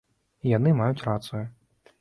І яны маюць рацыю.